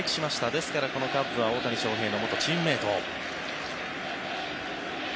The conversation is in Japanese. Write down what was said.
ですから、このカッブは大谷翔平の元チームメート。